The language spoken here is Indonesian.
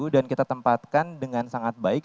dan kita tempatkan dengan sangat baik